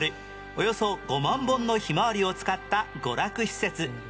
およそ５万本のひまわりを使った娯楽施設